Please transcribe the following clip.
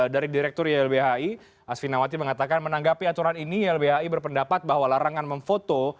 dari direktur ylbhi asfinawati mengatakan menanggapi aturan ini ylbhi berpendapat bahwa larangan memfoto